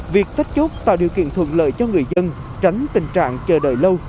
việc thách chốt tạo điều kiện thuận lợi cho người dân tránh tình trạng chờ đợi lâu